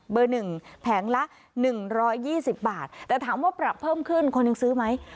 ๑แผงละ๑๒๐บาทแต่ถามว่าปรับเพิ่มขึ้นคนหนึ่งซื้อไหม